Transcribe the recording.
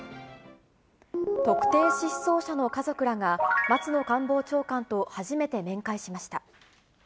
特定失踪者の家族らが、松野官房長官と初めて面会しました。